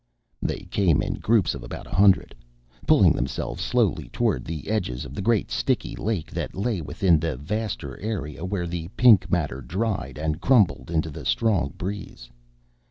They came in groups of about a hundred, pulling themselves slowly toward the edges of the great sticky lake that lay within the vaster area where the pink matter dried and crumbled into the strong breeze.